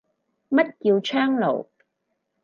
乜叫窗爐